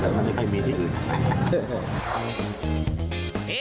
แต่มันไม่มีใครมีที่อื่น